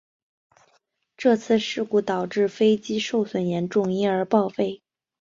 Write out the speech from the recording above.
这次事故导致飞机受损严重因而报废。